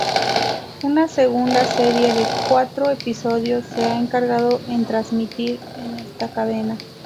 Una segunda serie de cuatro episodios, se ha encargado en transmitir en esta cadena.